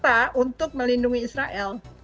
tapi dia ikut serta melindungi israel